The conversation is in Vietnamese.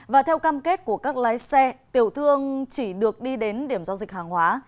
và theo cam kết của các lái xe tiểu thương chỉ được đi đến điểm giao dịch hàng hóa